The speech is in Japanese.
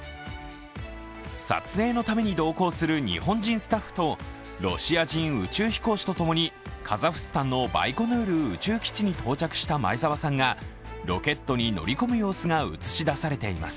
撮影のために同行する日本人スタッフとロシア人宇宙飛行士とともにカザフスタンのバイコヌール宇宙基地に到着した前澤さんがロケットに乗り込む様子が映し出されています。